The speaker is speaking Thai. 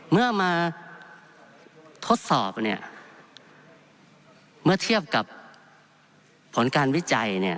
เมื่อมาทดสอบเมื่อเทียบกับผลการวิจัย